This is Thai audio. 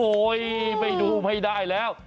โอ๊ยไม่ดูไม่ได้แล้ว